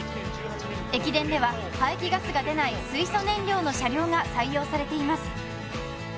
駅伝では排気ガスが出ない水素燃料の車両が採用されています